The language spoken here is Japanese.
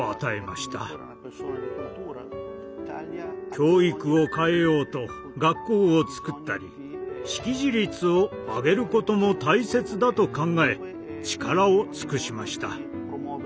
教育を変えようと学校をつくったり識字率を上げることも大切だと考え力を尽くしました。